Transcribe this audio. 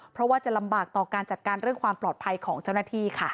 เพราะว่าจะลำบากต่อการจัดการเรื่องความปลอดภัยของเจ้าหน้าที่ค่ะ